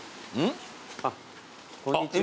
あっこんにちは。